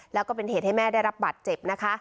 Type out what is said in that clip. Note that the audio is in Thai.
แล้วก็เป็นเหตุให้แม่ได้รับบัตรเจ็บนะคะ